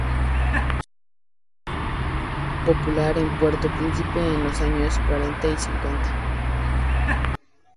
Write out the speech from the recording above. Su banda se hizo popular en Puerto Príncipe en los años cuarenta y cincuenta.